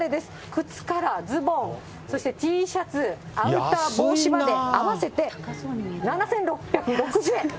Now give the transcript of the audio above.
靴からズボン、そしてＴシャツ、アウター、帽子まで合わせて７６６０円。